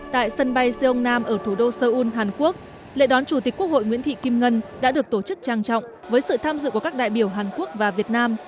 tại sân bay seoung nam ở thủ đô seoul hàn quốc lễ đón chủ tịch quốc hội nguyễn thị kim ngân đã được tổ chức trang trọng với sự tham dự của các đại biểu hàn quốc và việt nam